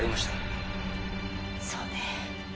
そうね。